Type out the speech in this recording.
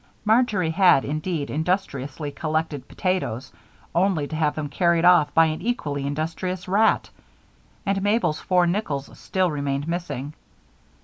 Marjory had, indeed, industriously collected potatoes, only to have them carried off by an equally industrious rat; and Mabel's four nickels still remained missing.